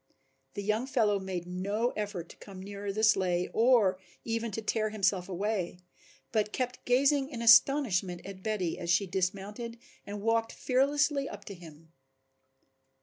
The young fellow made no effort to come nearer the sleigh or even to tear himself away, but kept gazing in astonishment at Betty as she dismounted and walked fearlessly up to him.